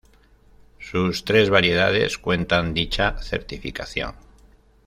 Sus tres variedades cuentan dicha certificación.